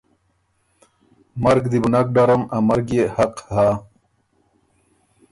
مرګ دی بو نک ډرم ا مرګ يې حق هۀ۔